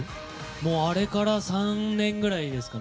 もうあれから３年ぐらいですかね。